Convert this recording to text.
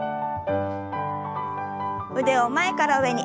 腕を前から上に。